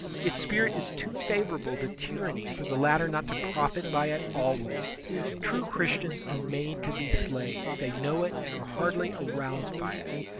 Its spirit is too favorable to tyranny for the latter not to profit by it always. True Christians are made to be slaves; they know it and are hardly aroused by it.